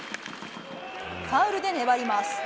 ファウルで粘ります。